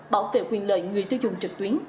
bảo vệ quyền lợi người tiêu dùng trực tuyến